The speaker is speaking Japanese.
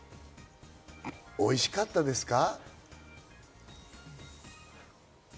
おいしかったですか？